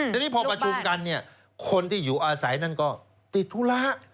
ทีนี้พอประชุมกันเนี่ยคนที่อยู่อาศัยนั่นก็ติดธุระ